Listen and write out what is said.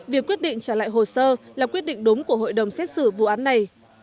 việc quyết định trả lại hồ sơ là quyết định đúng của hội đồng xét xử vụ án này